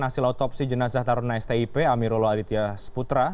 hasil otopsi jenazah taruh di stip amirola aditya putra